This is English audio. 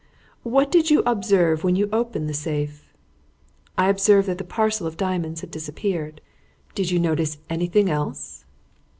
"What did you observe when you opened the safe?" "I observed that the parcel of diamonds had disappeared." "Did you notice anything else?"